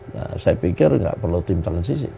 nah saya pikir nggak perlu tim transisi